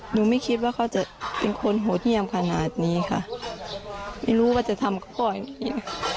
ไม่คิดว่าเขาจะเป็นคนโหดเยี่ยมขนาดนี้ค่ะไม่รู้ว่าจะทำกับพ่ออย่างนี้